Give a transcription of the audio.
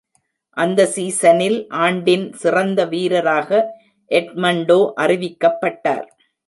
அந்த சீஸனில், ஆண்டின் சிறந்த வீரராக எட்மண்டோ அறிவிக்கப்பட்டார்.